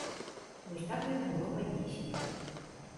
Вось так гэта было паднесена.